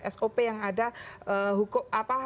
sop yang ada hukum apa